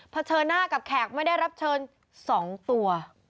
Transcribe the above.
เฉินหน้ากับแขกไม่ได้รับเชิญ๒ตัว